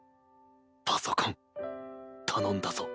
パソコン頼んだぞ。